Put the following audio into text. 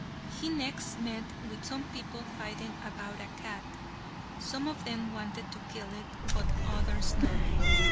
He next met with some people fighting about a cat. Some of them wanted to kill it, but others not.